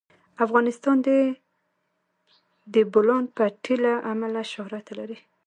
افغانستان د د بولان پټي له امله شهرت لري.